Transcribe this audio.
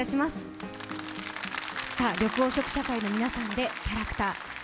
緑黄色社会の皆さんで「キャラクター」。